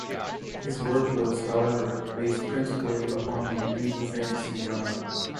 His work was, however, based principally upon the medieval fantasy genre.